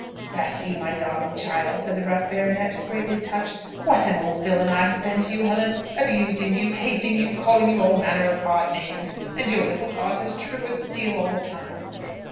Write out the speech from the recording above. "Bless you, my darling child," said the rough baronet, greatly touched. "What an old villain I have been to you, Helen! abusing you, hating you, calling you all manner of hard names, and your little heart as true as steel all the time."